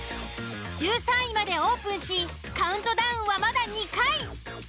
１３位までオープンしカウントダウンはまだ２回。